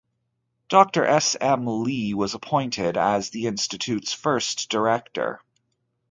Doctor S. M. Lee was appointed as the Institute's first director.